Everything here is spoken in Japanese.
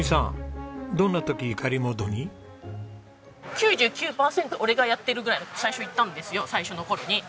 「９９パーセント俺がやってる」ぐらい最初言ったんですよ最初の頃に。